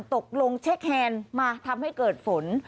ตกลงเช็คแฮนด์มาทำให้เกิดฝน